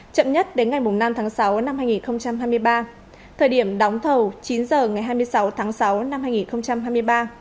chậm nhất đến ngày năm tháng sáu năm hai nghìn hai mươi ba thời điểm đóng thầu chín h ngày hai mươi sáu tháng sáu năm hai nghìn hai mươi ba